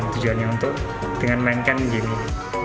tujuannya untuk dengan memainkan game ini